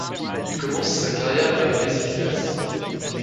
Il commence sa carrière à Beşiktaş.